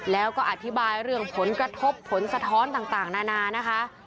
แล้วก็อธิบายเรื่องผลกระทบผลสะท้อนต่างนานานะคะ